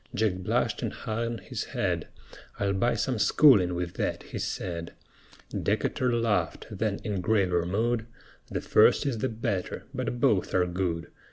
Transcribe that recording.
Jack blushed and hung his head; "I'll buy some schoolin' with that," he said. Decatur laughed; then in graver mood: "The first is the better, but both are good.